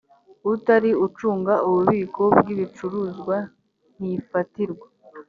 utari ucunga ububiko bw ibicuruzwa ntifatirwa